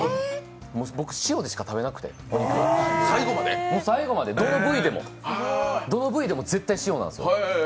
僕、塩でしか食べなくて、最後までどの部位でも絶対塩なんですよ。